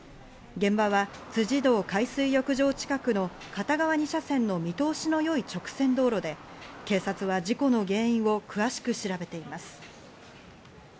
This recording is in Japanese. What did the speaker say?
現場は辻堂海水浴場近くの片側２車線の見通しの良い直線道路で警察は事故の原因を詳しく調べています。